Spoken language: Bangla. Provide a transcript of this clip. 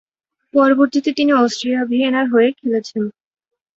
পরবর্তীতে তিনি অস্ট্রিয়া ভিয়েনার হয়ে খেলেছেন।